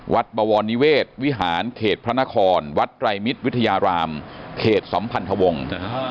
บวรนิเวศวิหารเขตพระนครวัดไตรมิตรวิทยารามเขตสัมพันธวงศ์